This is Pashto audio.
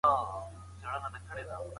تاسي باید په ژوند کي له خپلو حقونو دفاع وکړئ.